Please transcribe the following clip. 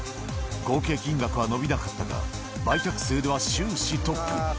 合計金額は伸びなかったが、売却数では終始トップ。